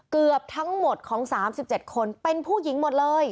เกือบทั้งหมดของ๓๗คนเป็นผู้หญิงหมดเลย